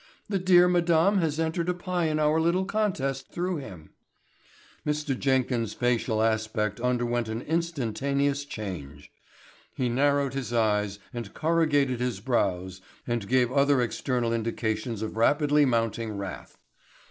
"The dear madame has entered a pie in our little contest through him." Mr. Jenkins' facial aspect underwent an instantaneous change. He narrowed his eyes and corrugated his brows and gave other external indications of rapidly mounting wrath.